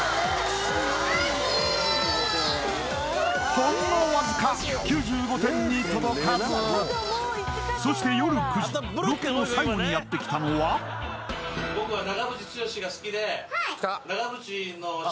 ほんのわずか９５点に届かずそして夜９時ロケの最後にやってきたのははいはい